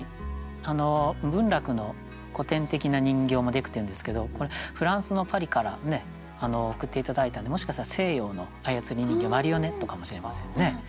文楽の古典的な人形も木偶っていうんですけどフランスのパリから送って頂いたんでもしかしたら西洋の操り人形マリオネットかもしれませんね。